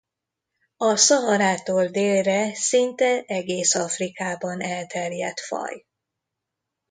A Szaharától délre szinte egész Afrikában elterjedt faj.